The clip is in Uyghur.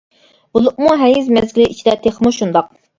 بولۇپمۇ ھەيز مەزگىلى ئىچىدە تېخىمۇ شۇنداق.